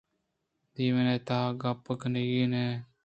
دیوانءِ تہا گپ کنگئے نہ زانت